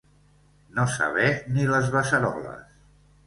No saber ni les beceroles.